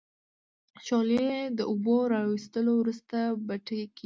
شولې د اوبو را وېستلو وروسته بټۍ کیږي.